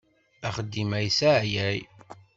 Axeddim-a yesseɛyay.